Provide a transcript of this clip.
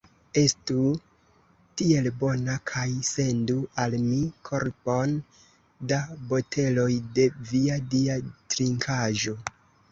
Estu tiel bona kaj sendu al mi korbon da boteloj de via dia trinkaĵo.